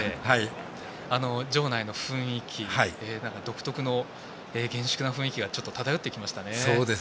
場内の雰囲気独特の厳粛な雰囲気がちょっと漂ってきましたね。